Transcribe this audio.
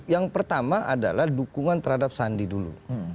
yang pertama adalah dukungan terhadap sandi dulu